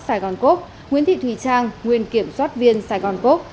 sài gòn cốp nguyễn thị thùy trang nguyên kiểm soát viên sài gòn cốc